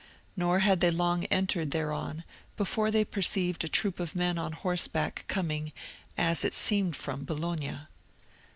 Nor had they long entered thereon before they perceived a troop of men on horseback coming as it seemed from Bologna.